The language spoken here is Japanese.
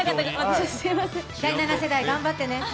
第７世代、頑張ってね。